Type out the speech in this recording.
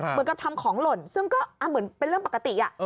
เหมือนกับทำของหล่นซึ่งก็เหมือนเป็นเรื่องปกติ